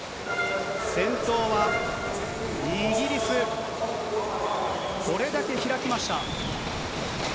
先頭はイギリス、これだけ開きました。